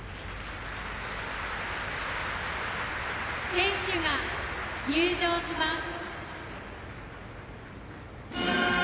選手が入場します。